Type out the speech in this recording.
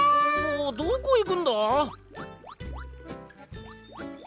おどこいくんだ！？